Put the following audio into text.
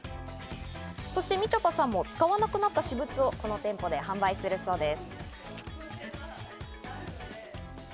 そして、みちょぱさんも使わなくなった私物をこの店舗で販売するそうです。